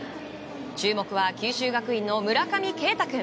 注目は九州学院の村上慶太君。